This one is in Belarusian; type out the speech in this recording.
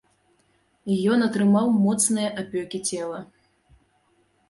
Ён атрымаў моцныя апёкі цела.